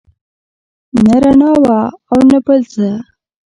نه رڼا وه او نه بل څه.